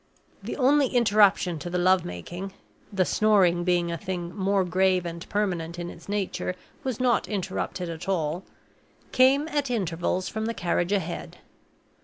The only interruption to the love making (the snoring, being a thing more grave and permanent in its nature, was not interrupted at all) came at intervals from the carriage ahead.